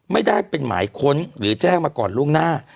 ไม่ได้เป็นหมายค้นหรือแจ้งมาก่อนล่วงหน้า